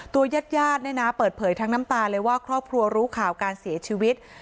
ตัวยาดเปิดเผยทั้งน้ำตาเลยว่าครอบครัวรู้ข่าวการเสียชีวิต